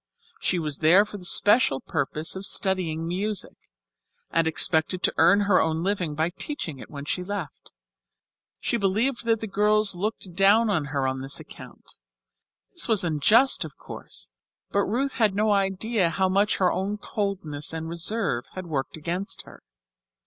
She was there for the special purpose of studying music, and expected to earn her own living by teaching it when she left. She believed that the girls looked down on her on this account; this was unjust, of course, but Ruth had no idea how much her own coldness and reserve had worked against her.